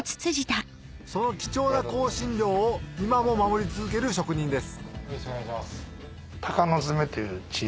その貴重な香辛料を今も守り続ける職人です